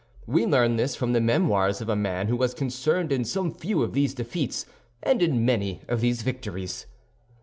We learn this from the memoirs of a man who was concerned in some few of these defeats and in many of these victories.